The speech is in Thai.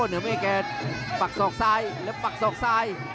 โนเมกแกบักสอกซ้ายแล้วบักสอกซ้าย